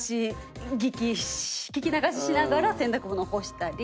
聞き流しながら洗濯物干したり。